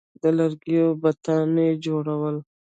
د لرګیو بتان یې جوړول